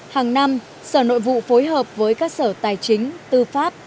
hàng năm sở nội vụ phối hợp với các sở tài chính tư pháp